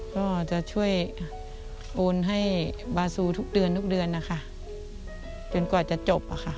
ก็จะช่วยโอนให้บานซูทุกเดือนไม่จนกว่าจะจบอะค่ะ